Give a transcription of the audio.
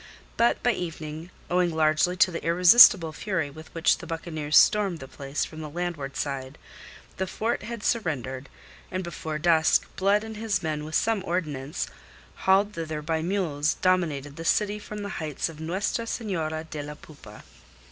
But by evening, owing largely to the irresistible fury with which the buccaneers stormed the place from the landward side, the fort had surrendered, and before dusk Blood and his men with some ordnance hauled thither by mules dominated the city from the heights of Nuestra Senora de la Poupa.